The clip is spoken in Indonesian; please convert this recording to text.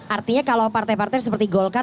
artinya kalau partai partai seperti golkar